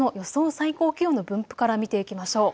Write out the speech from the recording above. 最高気温の分布から見ていきましょう。